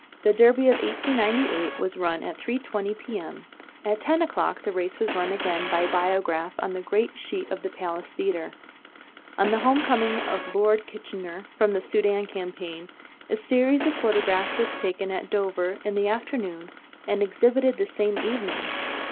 The Derby of 1898 was run at 3.20 P.M. At ten o'clock the race was run again by Biograph on the great sheet at the Palace Theatre. On the home coming of Lord Kitchener from the Soudan Campaign, a series of photographs was taken at Dover in the afternoon and exhibited the same evening!